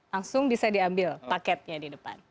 langsung bisa diambil paketnya di depan